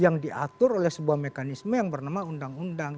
yang diatur oleh sebuah mekanisme yang bernama undang undang